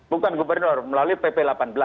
bukan gubernur melalui pp delapan belas